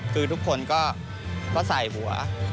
คือทุกคนก็ใส่หัว